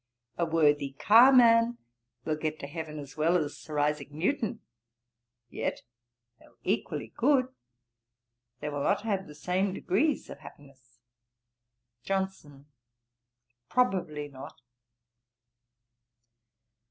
A worthy carman will get to heaven as well as Sir Isaac Newton. Yet, though equally good, they will not have the same degrees of happiness.' JOHNSON. 'Probably not.'